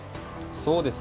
そうですね。